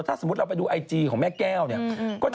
ถ้าสมมุติเราไปดูไอจีของแม่แก้วเนี่ย